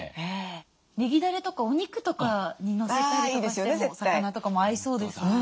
ねぎだれとかお肉とかにのせたりとかしても魚とかも合いそうですね。